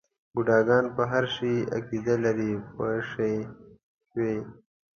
بوډاګان په هر شي عقیده لري پوه شوې!.